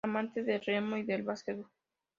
Amante del remo y del básquetbol.